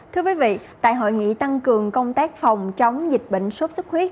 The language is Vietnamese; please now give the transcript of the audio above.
thưa quý vị tại hội nghị tăng cường công tác phòng chống dịch bệnh sốt xuất huyết